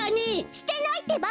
してないってば！